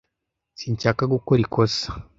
Sinshaka gukora ikosa.